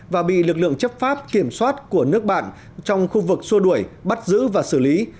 và bị lực lượng chấp pháp kiểm soát của nước bạn trong khu vực xua đuổi bắt giữ và xử lý